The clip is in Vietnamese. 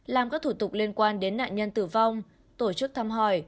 làm các thủ tục liên quan đến nạn nhân tử vong tổ chức thăm hỏi